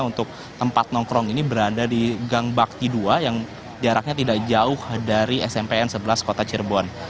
untuk tempat nongkrong ini berada di gang bakti dua yang jaraknya tidak jauh dari smpn sebelas kota cirebon